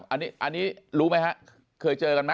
อันนี้รู้ไหมฮะเคยเจอกันไหม